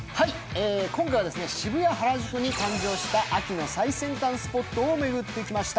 今回は渋谷・原宿に誕生した秋の最新スポットを巡ってきました。